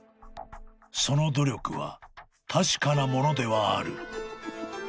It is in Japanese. ［その努力は確かなものではある］